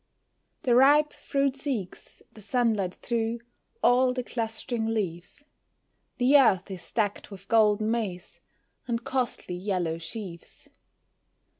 The ripe fruit seeks the sunlight through all the clustering leaves The earth is decked with golden maize, and costly yellow sheaves.